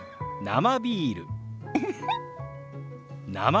生ビール。